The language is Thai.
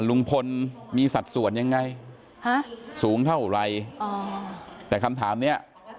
ลุงพลมีสัดส่วนยังไงฮะสูงเท่าไรแต่คำถามเนี้ย